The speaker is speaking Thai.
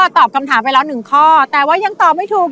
ตอบคำถามไปแล้วหนึ่งข้อแต่ว่ายังตอบไม่ถูก